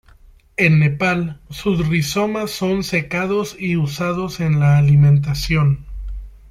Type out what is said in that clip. En Nepal, sus rizomas son secados y usados en la alimentación.